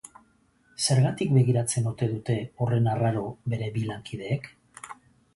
Zergatik begiratzen ote dute horren arraro bere bi lankideek?